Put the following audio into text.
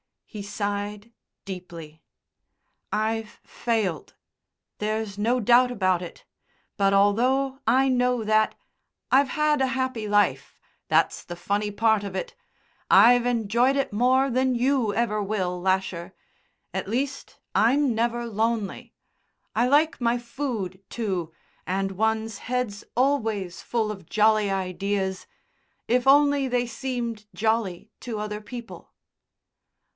He sighed deeply. "I've failed. There's no doubt about it. But, although I know that, I've had a happy life. That's the funny part of it. I've enjoyed it more than you ever will, Lasher. At least, I'm never lonely. I like my food, too, and one's head's always full of jolly ideas, if only they seemed jolly to other people."